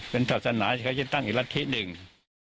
เป็นศาสนาแค่จะตั้งอีกละทิศหนึ่ง